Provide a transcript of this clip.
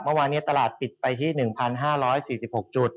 เมื่อวานนี้ตลาดปิดไปที่๑๕๔๖จุด